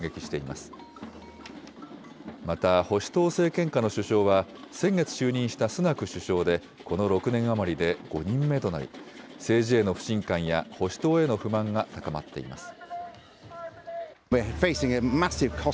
また保守党政権下の首相は、先月就任したスナク首相でこの６年余りで５人目となり、政治への不信感や保守党への不満が高まっています。